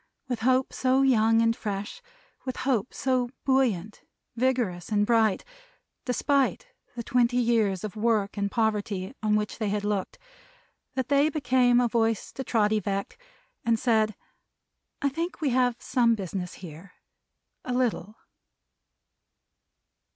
With Hope so young and fresh; with Hope so buoyant, vigorous and bright, despite the twenty years of work and poverty on which they had looked; that they became a voice to Trotty Veck, and said: "I think we have some business here a little!"